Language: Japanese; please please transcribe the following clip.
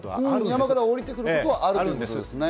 山から下りてくることはあるんですね。